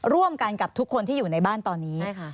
ร่วมกันกับทุกคนที่อยู่ในบ้านตอนนี้